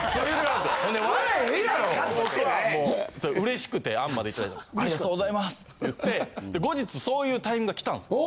僕はもううれしくて案までいただいて「ありがとうございます」って言って後日そういうタイミングが来たんです。